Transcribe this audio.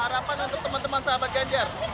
harapan untuk teman teman sahabat ganjar